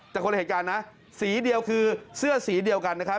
แต่คนละเหตุการณ์นะสีเดียวคือเสื้อสีเดียวกันนะครับ